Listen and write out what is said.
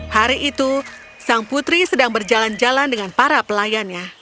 hari itu sang putri sedang berjalan jalan dengan para pelayannya